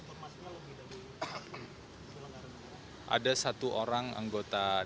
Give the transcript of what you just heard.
informasinya lebih dari satu orang anggota dpr ri